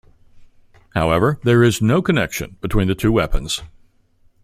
However, there is no connection between the two weapons.